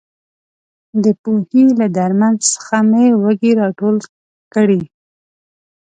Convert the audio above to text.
د پوهې له درمن څخه مې وږي راټول کړي.